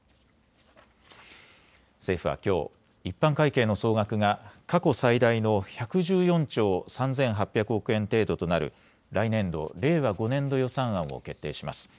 政府はきょう一般会計の総額が過去最大の１１４兆３８００億円程度となる来年度、令和５年度予算案を決定します。